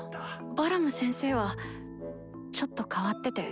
バラム先生はちょっと変わってて。